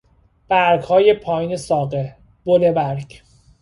برگهای پایین ساقه، بنبرگ